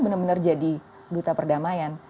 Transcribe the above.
benar benar jadi duta perdamaian